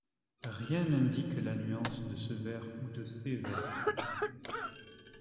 Rien n'indique la nuance de ce vert ou de ces verts.